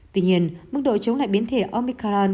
tuy nhiên mức độ chống lại biến thể omicron